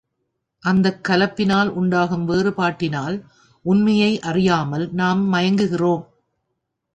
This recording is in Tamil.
அந்தக் கலப்பினால் உண்டாகும் வேறுபாட்டினால் உண்மையை அறியாமல் நாம் மயங்குகிறோம்.